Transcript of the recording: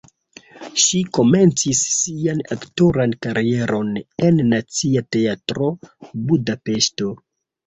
Ŝi komencis sian aktoran karieron en Nacia Teatro (Budapeŝto).